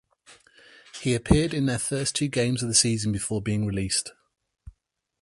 He appeared in their first two games of the season before being released.